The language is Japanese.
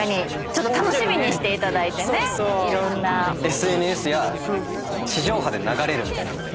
ＳＮＳや地上波で流れるみたいなので。